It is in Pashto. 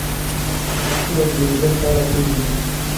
خور د عزت لاره پېژني.